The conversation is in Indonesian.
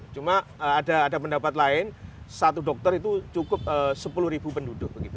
cuma ada pendapat lain satu dokter itu cukup sepuluh penduduk